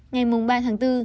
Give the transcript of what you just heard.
ngày ba tháng bốn